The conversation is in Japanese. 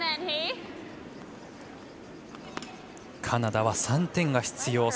カナダは３点が必要